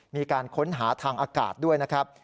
มีการค้นหาทางอากาศด้วยนะครับ